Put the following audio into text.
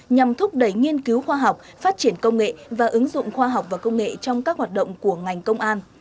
nhằm thúc đẩy nghiên cứu khoa học phát triển công nghệ và ứng dụng khoa học và công nghệ trong các hoạt động của ngành công an